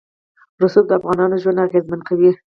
رسوب د افغانانو ژوند اغېزمن کوي.